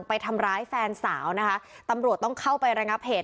ไปทำร้ายแฟนสาวนะคะตำรวจต้องเข้าไประงับเหตุ